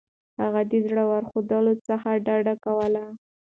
هغه د زور ښودلو څخه ډډه کوله.